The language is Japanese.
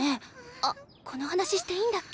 あっこの話していいんだっけ？